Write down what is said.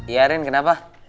iya rin kenapa